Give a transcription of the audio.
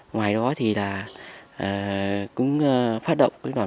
ngoài đó thì là cũng phát động với đoàn